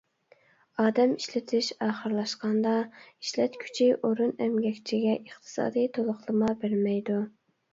ئادەم ئىشلىتىش ئاخىرلاشقاندا، ئىشلەتكۈچى ئورۇن ئەمگەكچىگە ئىقتىسادىي تولۇقلىما بەرمەيدۇ.